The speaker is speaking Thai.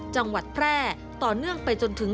จังหวัดแพร่ต่อเนื่องไปจนถึง